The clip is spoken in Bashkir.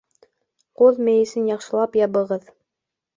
Ҡуҙ мейесен яҡшылап ябығыҙ